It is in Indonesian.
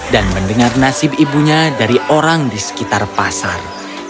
dan mendengar nasib ibunya dari orang di sekitar pasar